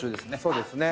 そうですね。